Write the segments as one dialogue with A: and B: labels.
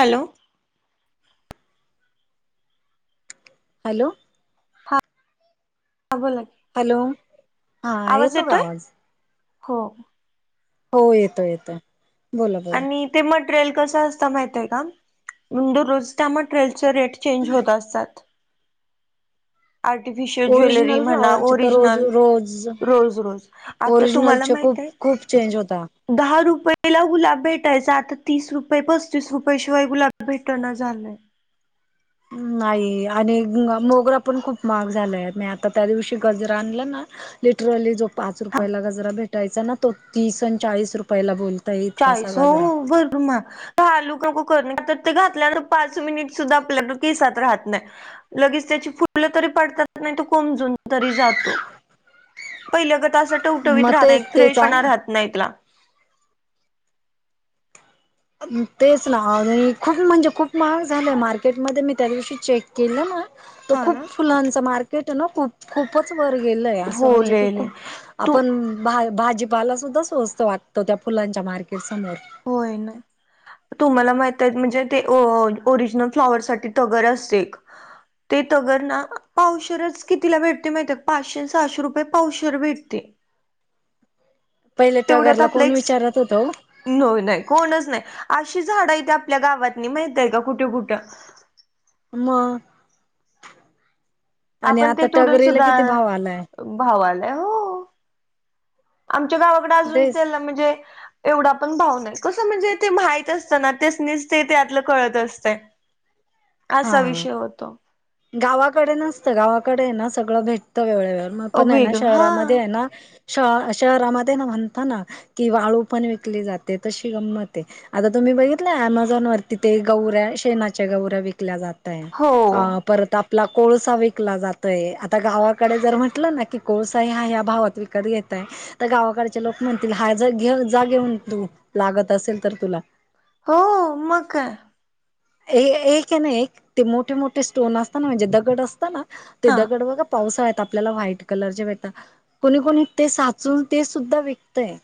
A: Hello!
B: Hello!
A: हां बोला की.
B: हॅलो! हां येतो का आवाज?
A: हो.
B: हो येतो येतोय बोला बोला
A: आणि ते मटेरियल कसं असता माहतीय का म्हण दरोज त्या म मेट्रेले रेट चेंज होत असतात आर्टिफिशियल ज्वेलरी
B: ओरिजिनल
A: म्हणा
B: फ्लावरचे तर रोज
A: ओरिजनल
B: रोज
A: रोज रोज आता तुम्हाला
B: ओरिजिनलचे
A: माहित
B: खूप खूप
A: आहे
B: चेंज होता
A: दहा रुपयेला गुलाब भेटायचं आता तीस रुपये पस्तीस रुपयेशिवाय गुलाब भेटण झालंय
B: नाही आणि मोगरा पण खूप महाग झालाय म आता त्या दिवशी गजरा आणलं ना लिटरली जो पाच
A: हा
B: रुपयाला गजरा भेटायचा ना तो तीस चाळीस रुपयाला बोलतो
A: चाळीसो हो गज म घाालू का कर ते घातल्यानंतर पाच मिनिट सुद्धा आपल्याला केसात राहत नाही लगेच त्याची फुलं तरी पडतात नाही त कोमजून तरी जातो पहिल्यागत तर असं ठवठवीत
B: मग तेच
A: राहत
B: तेच
A: फ्रेश पणा
B: आहे
A: राहत नाही त्यला
B: तेच ना खूप म्हणजे खूप महाग झालं मार्केटमध्ये ध्ये मी त्या दिवशी चेक केलं ना तर
A: हा ना
B: खूप फुलांच मार्केट ना खूप खूपच वर गेलंय असं
A: हो
B: म्हणजे की
A: लय लय
B: खूप
A: तू
B: आपण भा भाजीपाला सुद्धा स्वस्त वाटतो त्या फुलांच्या मार्केट समोर
A: होय ना तुम्हाला माहित आहे म्हणजे ते ओरिजिनल फ्लॉवरर् साठी तगर असते ते तगर ना. कितीला भेटते माहित पाचशे सहाशे रुपये पावशर भेटते
B: पहिले तगरला कोण विचारत? होत
A: हो नाही कोणच नाही अशी झाडं इथे आपल्या गावात नाही माहितय का कुठं कुठं
B: मग आणि आता टगरीला किती? भाव आलाय
A: भावालाय हो आमच्या गावाकडे अजून
B: तेच
A: त्याला म्हणजे एवढा पण भाव नाही कसं म्हणजे ते माहित असतना तेचनीच ते तेतलं कळत असतं असा
B: हा
A: विषय होतो
B: गावाकडे नसतं गावाकडे ना सगळं भेटतं वेळ वेळ पण आहे ना
A: वेग हा
B: शहरामध्ये आहे ना श शहरामध्ये ना म्हणता ना ती वाळू पण विकली जाते तशी गंमत आहे आता तुम्ही बघितलं अमेझॉन वरती ते गौऱ्या शेनाच्या गौऱ्या विक विकल्या जातंय
A: हो.
B: परत आपला कोळसा विकला जातय आता गावाकडे जर म्हंटलं ना की कोळसा हा ह्या भावात विक कध घेतय तर गावाकडचे लोक म्हणतील हाय घे जा घेऊन तू लागत असेल तर तुला
A: हो मग काय
B: एक आहे ना एक ते मोठे मोठे स्टोन असत ना म्हणजे दगड असत ना
A: हा
B: तेदा कडवा पावसाळ येत आपल्याला व्हाईट कलरचे भेटतात कोणी कोणी ते साचून ते सुद्धा विकतय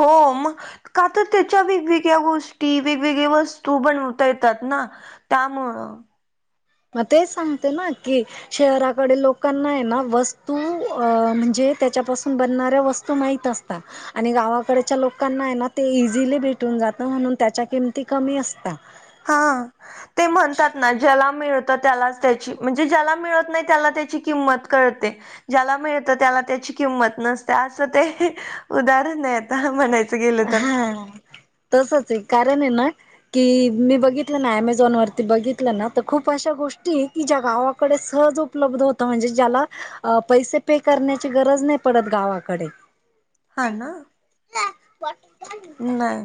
A: होम का तर त्याच्या वेगवेगळ्या गोष्टी वेगवेगळ्या वस्तू बनवता येतात ना तामोळ
B: म ते सांगते नाकी शहराकडे लोकांना आहे ना वस्तू अ म्हणजे त्याच्यापासून बनणाऱ्या वस्तू तो माहत असता आणि गावाकडच्या लोकांना आहे ना ते इझिली भेटून जातं म्हणून त्याच्या किमती कमी असतात
A: हा ते म्हणतात ना ज्याला मिळत त्याला त्याची म्हणजे ज्याला मिळत नाही त्याला त्याची किंमत कळते ज्याला मिळत त्याला त्याची किंमत नसते असं ते उदाहरण आता म्हणायच गेले तर
B: ह तसच आहे कारण आहे ना की मी बघितलं ना अमेझॉन वरती बघितलं ना तर खूप अशा गोष्टी की ज्या गावाकडे सहज उप उपलब्ध होत म्हणजे ज्याला पैसे पे करण्याची गरज नाही पडत गावाकडे
A: हा ना
B: वाट
A: नाही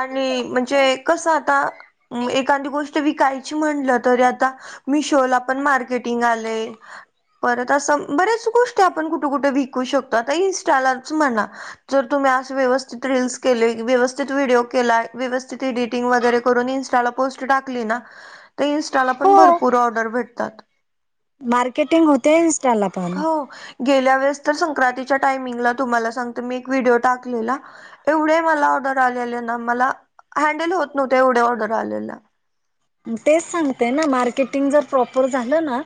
A: आणि म्हणजे कस आता एखादी गोष्ट विकायची म्हणलं तरी आता मीशो पण मार्केटिंग आलय परत असं बऱ्याच गोष्टी आपण कुठं कुठे विकू शकतो आता इन्स्टालाच म्हणा जर तुम्ही अस व्यवस्थित रील्स केले व्यवस्थित व्हिडिओ केलाय व्यवस्थित एडिटिंग वगैरे करून इंस्टाला पोस्ट टाकली ना तर इनस्टाला पण
B: हो
A: भरपूर ऑर्डर भेटतात
B: मार्केटिंग होते इनस्टाल प
A: हो गेल्या वेळेस तर संक्रांतीच्या टायमिंगला तुम्हाला सांगते मी एक व्हिडिओ टाकलेला एवढे मला ऑर्डर आलेले ना मला हँडल होत नव्हते एवढे ऑर्डर आलेल
B: तेच सांगते ना मार्केटिंग जर प्रॉपर झालं ना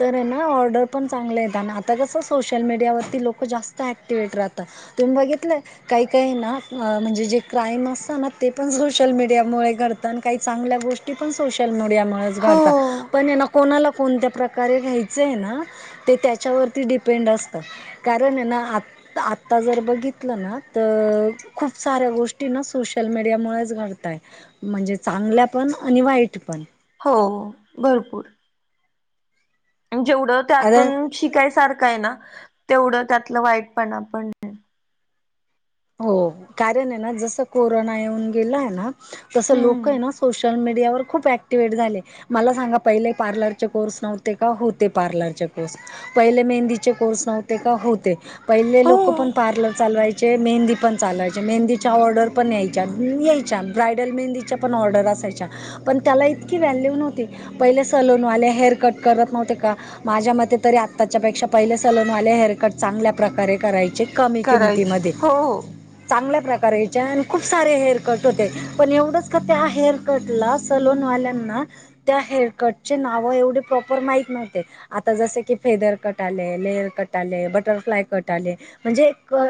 B: तर ना ऑर्डर पण चांगलं आहेत आणि आता कसं सोशल मीडियावरती लोकं जास्त ॲक्टिवेट राहतात तुम्ही बघितलंय काही काही ना म्हणजे जे क्राईम असत ना ते पण सोशल मीडियामुळे घडत काही चांगल्या गोष्टी गोष्टी पण सोशल मीडिच
A: हो
B: घडतात पण हाय ना कोणाला कोणत्या प्रकारे घ्यायचंय ना ते त्याच्यावरती डिपेंड असत कारण एना आप तर आता जर बघितलं ना तर खूप साऱ्या गोष्टी ना सोशल मीडियामुळेच घडताय म्हणजे चांगल्या पण आणि वाईट पण
A: हो भरपूर जेवढं त्यातून
B: अरे
A: शिकायसारखं आहे ना तेवढं त्यातलं वाईटपणा पण आहे
B: हो कारण आहे ना जसं कोरोना येऊन गेलाय ना तसं लोक
A: हम्म
B: आहे ना सोशल मीडियावर खूप ऍक्टिवेट झाले मला सांगा पहिले पार्लरचे कोर्स नव्हते का होते पार्लरचे कोर्स पहिले मेहंदीचे कोर्स नव्हते का होते पहिले
A: हो
B: लोक पण पार्लर चालवायचे मेहंदी पण चालायच्या मेहंदीच्या ऑर्डर पण यायच्या, यायच्या ब्रायडल मेहंदीच्या पण ऑर्डर असायच्या पण त्याला इतकी व्हॅल्यू नव्हती पहिले सलोनवाले हेअर कट करत नव्हते का माझ्या मते तरी आत्ताच्या पेक्षा पहिले सलूनवाले हेअरकट चांगल्या प्रकारे करायचे कमी
A: करायचे
B: किंमतीमध्ये
A: हो
B: चांगल्या प्रकार याच्या आणि खूप सारे हेअर कट होते पण एवढंच का ते हेअर कट ला सलोनवाल्यांना त्या हेअरकटचे नाव एवढे प्रॉपर माहीत नव्हते आता जसे की फेदर कट आले, लेअर कट आले, बटरफ्लाय कट आले म्हणजे क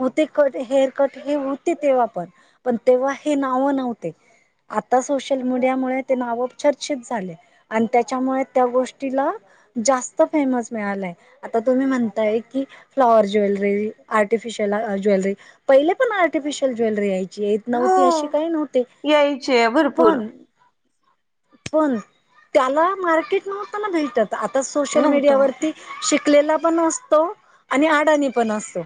B: होते कट हेअर कट हे होते तेव्हा पण, पण तेव्हा हे नावं नव्हते आता सोशल मीडिया मुळे ते नाव चर्चित झाले आणि त्याच्यामुळे त्या गोष्टीला जास्त फेमस मिळालाय आता तुम्ही म्हणताय की फ्लॉवर ज्वेलरी आर्टिफिश त्याला ज्वेलरी पहिले पण आर्टिफिशयल ज्वेलरी चेत
A: हो
B: नव्हती अशी काही नव्हते
A: यायचे भरपूर
B: पण पण त्याला मार्केट नव्हतं ना भेटत आता सोशल
A: नव्हतं
B: मीडियावरती शिकलेला पण असतो आणि अडाणी पण असतो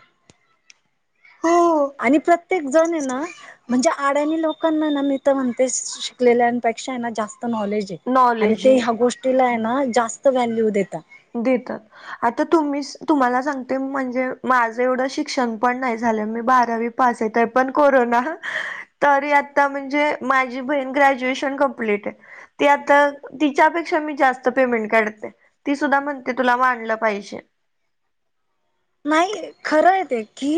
A: हो
B: आणि प्रत्येक जण ये ना म्हणजे आड्यानी लोक लोकांना ना मी तर म्हणते शिकलेल्यांपेक्षा ना जास्त नॉलेज आहे आणि
A: नॉलेज
B: ते
A: आहे
B: ह्या गोष्टी ना जास्त व्हॅल्यू देता
A: देतात आता तुम्ही तुम्हाला सांगते म्हणजे माझं एवढं शिक्षण पण नाही झालं मी बारावी पाच येतय पण कोरोना तरी आता म्हणजे माझी बहीण ग्रॅज्युएशन कमप्लीट आहे ती आता तिच्यापेक्षा मी जास्त पेमेंट काढते ती सुद्धा म्हणते तुला मानल पाहिजे
B: नाही खरं आहे ते की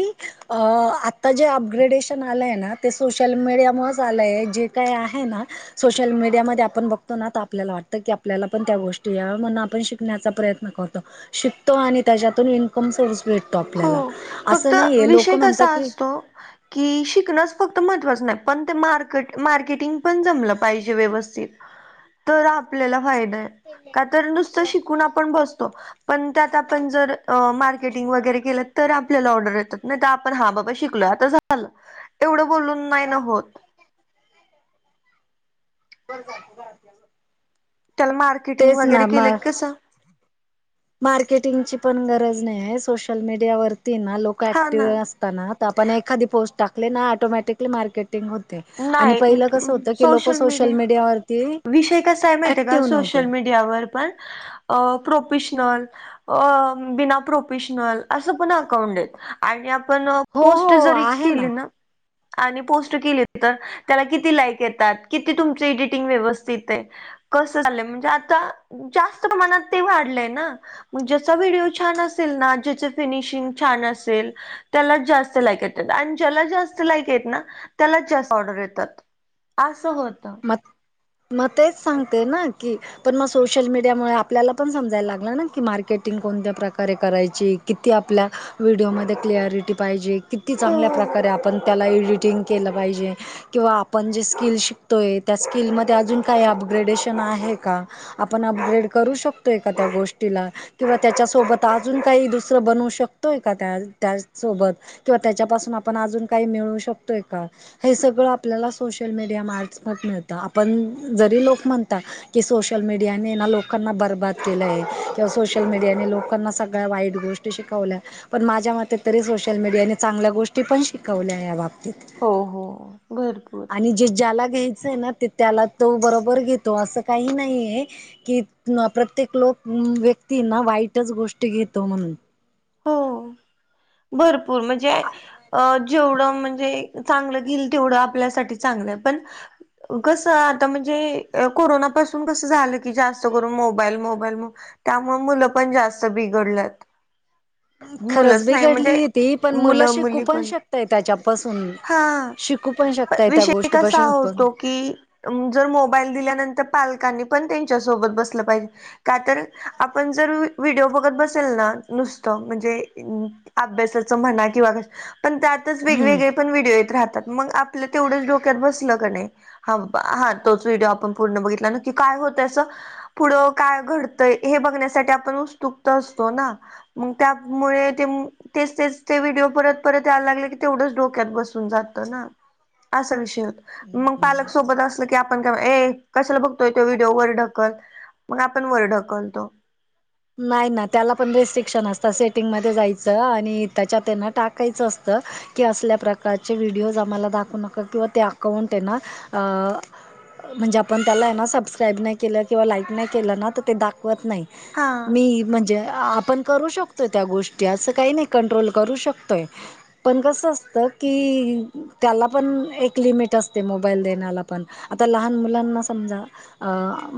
B: आता जे अपग्रेडेशन आलंय ना ते सोशल मीडियामुळेच आलं आहे जे काय आहे ना सोशल मीडियामध्येध्ये आपण बघतो ना आपल्याला वाटत की आपल्याला पण त्या गोष्टी या म्हण आपण शिकण्याचा प्रयत्न करतो शिकतो आणि त्याच्यातून इन्कम सोर्स भेटतो
A: हो
B: आपल्याला
A: फक्त
B: असं नाहीये लोक
A: विषय
B: म्हणतात
A: कसा
B: की
A: असतो की शिकणच फक्त महत्त्वाचं नाही पण ते मार्क मार्केटिंग पण जमलं पाहिजे व्यवस्थित तर आपल्याला फायदा आहे का तर नुस्त शिकून आपण बसतो पण त्यात आपण जर मार्केटिंग वागरे तर आपल्याला ऑर्डर येतात नाही आपण हा बा शिकलो आता झालं एवढं बोलून नाही न होत
B: बर.
A: त्याला मार्केटिंग वगैरे
B: म
A: केलंय कसं
B: मार्केटिंगची पण गरज नाही आहे सोशल मीडियावररती ना लोक
A: हा ना
B: ऍक्टिव्ह असतात आपण एखादी पोस्ट टाकले ना ऑटोमॅटिकली मार्केट हो आणि
A: नाही
B: पहिलं कसं होत की लोक सोशल मीडियावररती ऍक्टिव्ह नव्हते
A: त्यावर पण प्रोफेशनल. अ बिना प्रोफेशनल असं पण अकाउंट आणि आपण
B: हो
A: पोस्ट
B: हो
A: जरी
B: आहे
A: केली ना आणि पोस्ट केली तर त्याला किती लाईक येतात किती तुमची इडिटिंग व्यवस्थित आहे कस झालंय म्हणजे आता जास्त प्रमाणात ते वाढलंय ना ज्याचा व्हिडिओ छान असेल ना ज्याची फिनिशिंग छान असेल त्यालाच जास्त लाईक येतात आणि ज्याला जास्त लाईक हैत ना त्याला ऑर्डर येतात असं होत
B: म मग तेच सांगते ना की पण मग सोशल मीडिया मु आपल्याला पण समजायला लागलं ना की मार्केटिंग कोणत्या प्रकारे करायची किती आपल्या व्हिडिओमध्ये क्लअरिटी पाहिजे किती
A: हो
B: चांगल्या प्रकारे आपण त्याला एडिटिंग केलं पाहिजे किंवा आपण जे स्किल शिक होय त्या स्किलमध्ये अजून काही अपग्रेडेशन आहे का आपण अपग्रेड करू शकतो एखाद्या गोष्टीला किंवा त्याच्या सोबत अजून काही दुसरं बनवू शकतोय का त्या त्याच सोबत किंवा त्याच्यापासून आपण अजून काही मिळू शकतोय का हे सगळं आपल्याला सोशल मीडिया मार्फत मिळत आपण जरी लोक म्हणतात की सोशल मीडियाने ना लोकांना बर्बाद केलं आहे किंवा सोशल मीडियाने लोकांना सगळ्या वाईट गोष्टी शिकवल्या पण माझ्या मते तरी सोशल मीडियाने चांगल्या गोष्टी पण शिकवल्या या बाबतीत
A: हो हो भरपूर
B: आणि जे ज्याला घ्यायचंय ना त्याला तो बरोबर घेतो असं काही नाही आहे कि प्रत्येक लोक व्यक्ती ना वाईटच गोष्टी घेतो म्हणून
A: हो भरपूर म्हणजे अ जेवढं म्हणजे चांगलं घील तेवढं आपल्यासाठी चांगलं पण कसं आता म्हणजे कोरोनापासून कसं झालं की जास्त करून मोबाईल मोबाईल मंग त्यामुळे मुलं पण जास्त बिघडलंयत
B: खरंच
A: मुलंच नाही म्हणजे
B: बिघडली ती पण
A: मुलं
B: शिकू
A: मुली पण
B: शकताय त्याच्यापासून
A: ह अ
B: शिकू पण शकताय
A: पन
B: त्या
A: विषय कसा
B: गोष्टीपासून पण
A: होतो की तुम्ही जर मोबाईल दिल्यानंतर पालकांनी पण त्यांच्यासोबत बसलं पाहिजे का तर आपण जर व्हिडिओ बघत बसेल ना नुस त म्हणजे अभ्यासाच म्हणा किंवा पण त्यात तेच
B: हम्म
A: वेगवेगळे पण व्हिडिओ येत राहतात मग आपलं तेवढंच डोक्यात बसलं का नाही ह हा तोच व्हिडिओ आपण पूर्ण बघितला ना की काय होत असं पुढं काय घडतय हे बघण्यासाठी आपण उत्सुकत असतो ना मग त्या मुळे ते मुग तेच तेच ते व्हिडिओ परत परत यायला लागले की तेवढंच डोक्यात बसून जातं ना असा विषय होत मग पालकसोबत असल की आपण का ए कशाला बघतोय तो व्हिडिओ वर ढकल मग आपण वर ढकल तो
B: नाही ना त्याला पण रेस्ट्रिक्शन असत सेटिंगमध्ये जायचं आणि त्याच्यात है ना टाक तेच असतं की असल्या प्रकारचे व्हिडिओज आम्हाला दाखवू नका किंवा ते अकाउंट आहे ना अं म्हणजे आपण त्याला आहे ना सबस्क्राईब नाही केलं किंवा लाईक नाही केलं ना तर ते दाखवत नाही
A: हा
B: मी म्हणजे आपण करू शंकतोय त्या गोष्टी असं काही नाही कंट्रोल करू शंकतोय पण कसं असतं की त्यांला पण एक लिमिट असते मोबाईल देण्याला पण आता लहान मुलांना संमजा अ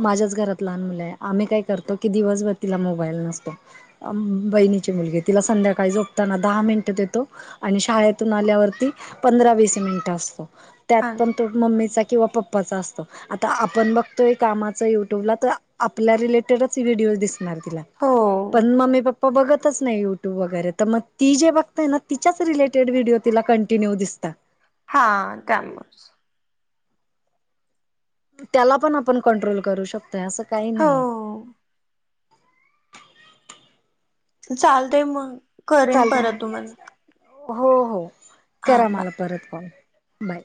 B: माझ्याच घरात लहान मुलं आहे आम्ही काय करतो कि दिवसभर तिला मोबाईल नंसतो बहिणीची मुलगी तिला संध्याकाळी झोपताना दहा मिंनट देतो आणि शाळेतून आल्यावरती पंधरा वीस मिंनट असतो त्यांत
A: हा
B: पण तो मंम्मीचा किंवा पप्पाचा असतो आता आपण बघतोय कामाच युट्यूबला तर आपल्या रिलेटेडच व्हिडिओ दिस
A: हो
B: पन मम्मी प्पा प बघतच नाही यूट्यूब वगैरे तर मंग ती जे बघतेंय ना तिच्याच रिलेटेड व्हिडिओ तिला कंटिन्यू दिसतात
A: हा कामच
B: त्यांला पण आपण कंट्रोल करू शकतोय असं काही
A: हो
B: नाही
A: चांलतय मग करेन
B: चांल
A: परत तुम्हाला
B: हो हो
A: हा
B: करा
A: बाय
B: मला परत कॉल बाय